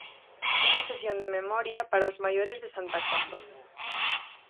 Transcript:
Unha sesión de memoria para os maiores de Santa Comba.